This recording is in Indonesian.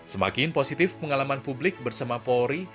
semakin positif pengalaman publik bersama polri